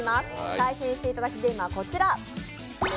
対戦していただくゲームはこちら。